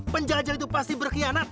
penjajah itu pasti berkhianat